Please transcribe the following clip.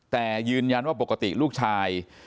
แต่ยืนยันว่าปกติลูกชาย